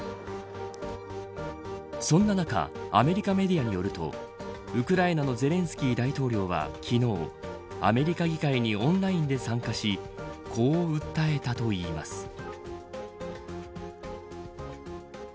そんな中アメリカメディアによるとウクライナのゼレンスキー大統領は昨日アメリカ議会にオンラインで参加しこう訴えたといいます。